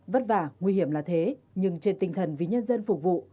vất vả nguy hiểm là thế nhưng trên tinh thần vì nhân dân phục vụ